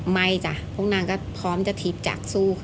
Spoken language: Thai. ไม่จ่ะพวกนางก็พร้อมจะทีพจากสู้